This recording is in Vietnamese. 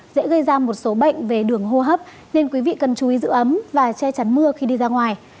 dễ gây ra một số bệnh về đường hô hấp nên quý vị cần chú ý giữ ấm và che chắn mưa khi đi ra ngoài